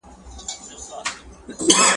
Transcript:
• زړه پر زړه دئ.